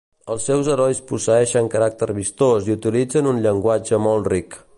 Els seus herois posseeixen caràcter vistós i utilitzen un llenguatge molt ric.